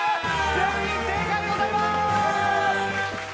全員正解でございます！